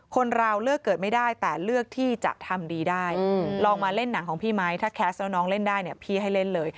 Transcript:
คนเราเลือกเกิดไม่ได้แต่เลือกที่จะทำดีได้ลองมาเล่นหนังของพี่ไหมถ้าแคสต์แล้วน้องเล่นได้เนี่ยพี่ให้เล่นเลย